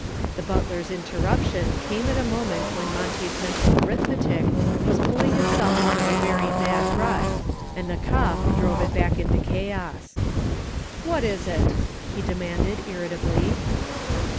The butler's interruption came at a moment when Monty's mental arithmetic was pulling itself out of a very bad rut, and the cough drove it back into chaos. "What is it," he demanded, irritably.